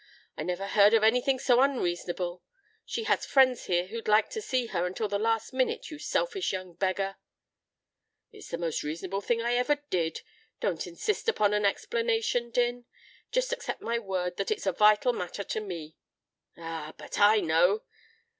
I never heard of anything so unreasonable. She has friends here who'd like to see her until the last minute, you selfish young beggar " "It's the most reasonable thing I ever did. Don't insist upon an explanation, Din. Just accept my word that it's a vital matter to me." "Ah! But I know!"